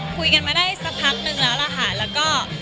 คุยกันมาได้สักพักนึงแล้วล่ะค่ะแล้วก็